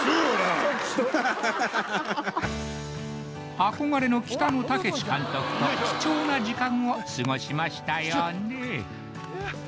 憧れの北野武監督と貴重な時間を過ごしましたよね